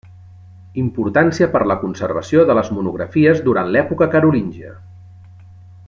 Importància per la conservació de les monografies durant l’època carolíngia.